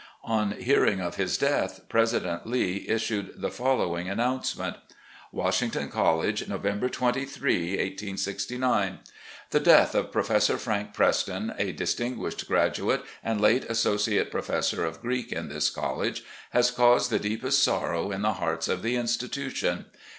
On hearing of his death. President Lee issued the following atmotmce ment: "Washington College, November 23, 1869. " The death of Professor Frank Preston, a dist ing uis h ed graduate, and late Associate Professor of Greek in this college, has caused the deepest sorrow in the hearts of the institution.